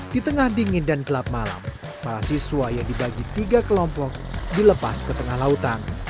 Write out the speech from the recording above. di tengah dingin dan gelap malam para siswa yang dibagi tiga kelompok dilepas ke tengah lautan